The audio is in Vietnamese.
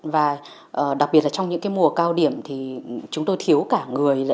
và đặc biệt là trong những mùa cao điểm thì chúng tôi thiếu cả người